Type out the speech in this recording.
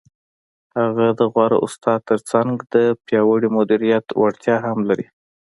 هغه د غوره استاد تر څنګ د پیاوړي مدیریت وړتیا هم لري.